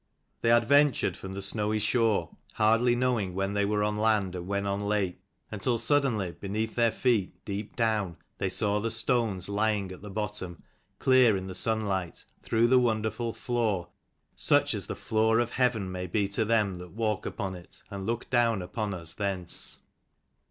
They adventured from the snowy shore, hardly knowing when they were on land and when on lake, until suddenly, beneath their feet, deep down, they saw the stones lying at the bottom, clear in the sunlight, through the wonderful floor, such as the floor of Heaven may be to them that walk upon it, and look down upon us thence.